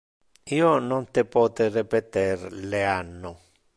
Io non pote repeter le anno.